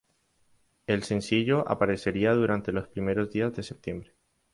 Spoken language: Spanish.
El sencillo aparecería durante los primeros días de septiembre.